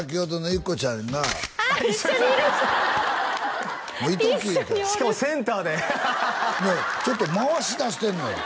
一緒におるしかもセンターでちょっと回しだしてんのよ